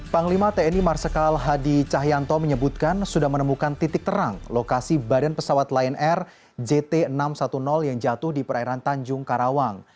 panglima tni marsikal hadi cahyanto menyebutkan sudah menemukan titik terang lokasi badan pesawat lion air jt enam ratus sepuluh yang jatuh di perairan tanjung karawang